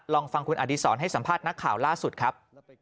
ลองฟังคุณอดีศรให้สัมภาษณ์นักข่าวล่าสุดครับ